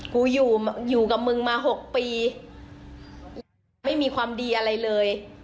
กูอยู่อยู่กับมึงมาหกปีไม่มีความดีอะไรเลย